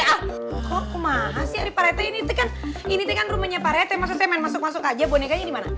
kok maha sih pak reti ini kan rumahnya pak reti maksudnya main masuk masuk aja bonekanya dimana